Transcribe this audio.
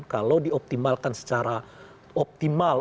kalau dioptimalkan secara optimal